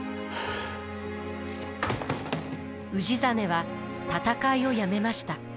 氏真は戦いをやめました。